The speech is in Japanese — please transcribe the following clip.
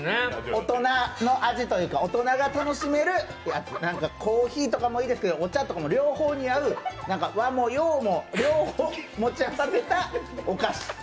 大人の味というか大人が楽しめる、コーヒーとかもいいですけど、お茶にも合う、和も洋も両方持ち合わせたお菓子。